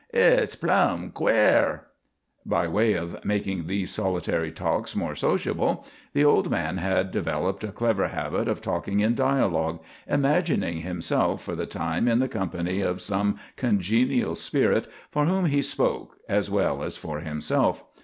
"Hit's plumb quare." By way of making these solitary talks more sociable, the old man had developed a clever habit of talking in dialogue, imagining himself for the time in the company of some congenial spirit, for whom he spoke as well as for himself.